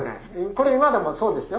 これ今でもそうですよ。